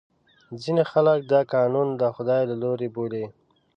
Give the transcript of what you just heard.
ځینې خلکو دا قانون د خدای له لورې بولي.